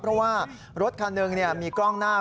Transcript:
เพราะว่ารถคันหนึ่งมีกล้องหน้า